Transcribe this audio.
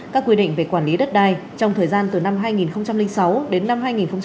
các quy định về quản lý đất đai trong thời gian từ năm hai nghìn sáu đến năm hai nghìn một mươi